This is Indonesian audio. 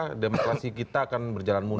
jadi demokrasi kita akan berjalan mundur